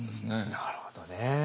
なるほどね。